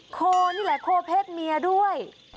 โคนี่แหละโคเพศเมียด้วย